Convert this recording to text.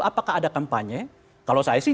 apakah ada kampanye kalau saya sih